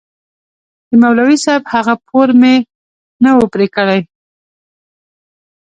د مولوي صاحب هغه پور مې نه و پرې كړى.